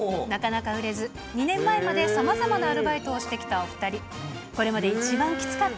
なかなか売れず、２年前までさまざまなアルバイトをしてきたお２人。